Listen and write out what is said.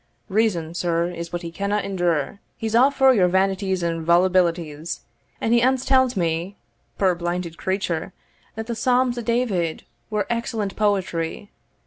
Reason, sir, is what he canna endure he's a' for your vanities and volubilities; and he ance tell'd me (puir blinded creature!) that the Psalms of David were excellent poetry!